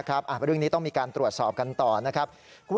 เรื่องนี้ต้องมีการตรวจสอบกันต่อนะครับ